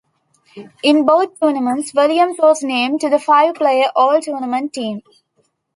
In both tournaments, Williams was named to the five-player All-Tournament team.